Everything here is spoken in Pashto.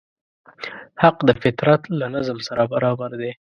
حق د فطرت له نظم سره برابر دی.